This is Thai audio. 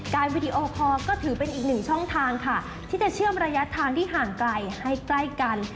วีดีโอคอร์ก็ถือเป็นอีกหนึ่งช่องทางค่ะที่จะเชื่อมระยะทางที่ห่างไกลให้ใกล้กัน